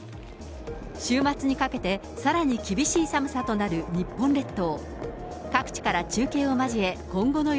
週末にかけて、さらに厳しい寒さとなる日本列島。